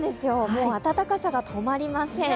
もう暖かさが止まりません。